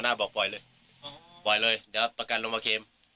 ไหวเลยเดี๋ยวประกันลงมาเค็ม